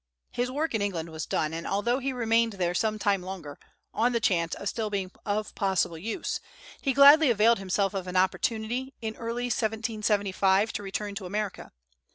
His work in England was done, and although he remained there some time longer, on the chance of still being of possible use, he gladly availed himself of an opportunity, early in 1775, to return to America.